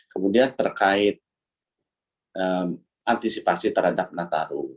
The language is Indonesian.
kemudian terkait antisipasi terhadap nataru